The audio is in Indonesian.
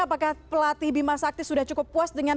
apakah pelatih bima sakti sudah cukup puas dengan